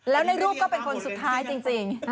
แล้วในรูปก็เป็นคนสุดท้ายจริง